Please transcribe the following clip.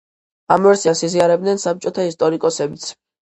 ამ ვერსიას იზიარებდნენ საბჭოთა ისტორიკოსებიც.